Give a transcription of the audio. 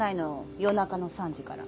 夜中の３時から。